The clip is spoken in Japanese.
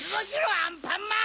アンパンマン。